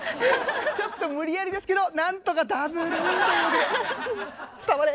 ちょっと無理やりですけどなんとかダブルということで伝われ！